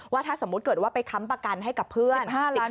ถ้าสมมุติเกิดว่าไปค้ำประกันให้กับเพื่อน